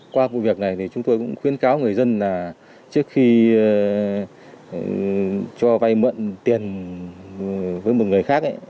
qua vụ việc này thì chúng tôi cũng khuyến cáo người dân là trước khi cho vay mượn tiền với một người khác